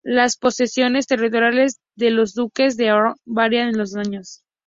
Las posesiones territoriales de los duques de Arenberg variaron con los años.